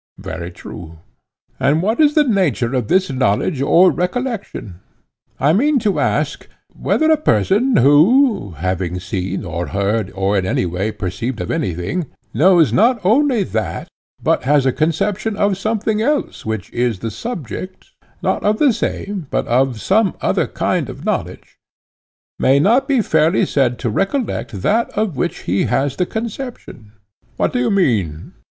Very true. And what is the nature of this knowledge or recollection? I mean to ask, Whether a person who, having seen or heard or in any way perceived anything, knows not only that, but has a conception of something else which is the subject, not of the same but of some other kind of knowledge, may not be fairly said to recollect that of which he has the conception? What do you mean?